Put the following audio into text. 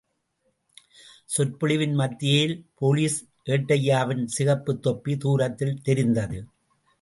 சொற்பொழிவின் மத்தியில் போலீஸ் ஏட்டய்யாவின் சிகப்புத் தொப்பி தூரத்தில் தெரிந்தது.